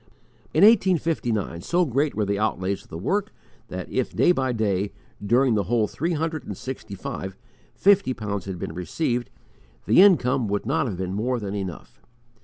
In 1859, so great were the outlays of the work that if day by day, during the whole three hundred and sixty five, fifty pounds had been received, the income would not have been more than enough.